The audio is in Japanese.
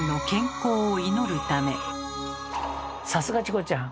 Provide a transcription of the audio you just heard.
さすがチコちゃん！